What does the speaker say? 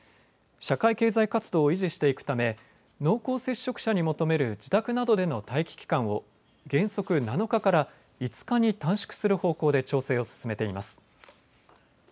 社会経済活動を維持していくため濃厚接触者に求める自宅などでの待機期間を原則７日から５日に短縮する方向で調整を進めています。